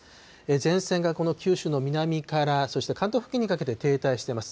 前線がこの九州の南から、そして関東付近にかけて停滞しています。